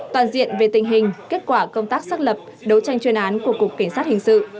toàn diện về tình hình kết quả công tác xác lập đấu tranh chuyên án của cục cảnh sát hình sự